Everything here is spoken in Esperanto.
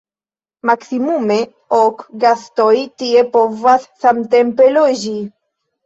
Maksimume ok gastoj tie povas samtempe loĝi.